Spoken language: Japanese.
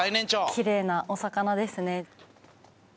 きれいなお魚ですね